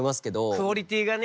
クオリティーがね。